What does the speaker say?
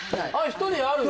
１人あるの？